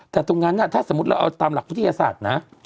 แต่ตรงนั้นถ้าสมมุติเราเอาตามหลักวิทยาศาสตร์นะ